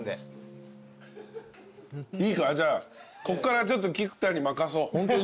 いいかじゃあこっから菊田に任そう。